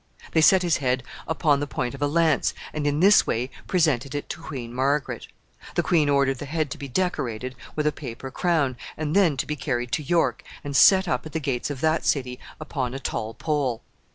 They set his head upon the point of a lance, and in this way presented it to Queen Margaret. The queen ordered the head to be decorated with a paper crown, and then to be carried to York, and set up at the gates of that city upon a tall pole.